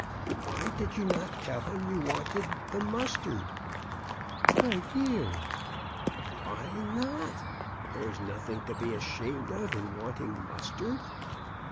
"Why did you not tell him you wanted the mustard ?"" My dear !" "Why not? There is nothing to be ashamed of in wanting mustard."